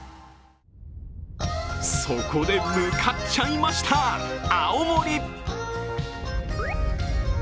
そこで向かっちゃいました、青森！